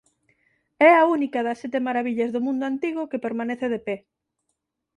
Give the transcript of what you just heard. É a única das sete marabillas do mundo antigo que permanece de pé.